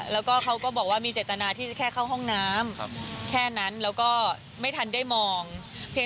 แล้วก็ใส่ผ้าคัดปากแล้วก็ใส่แว่น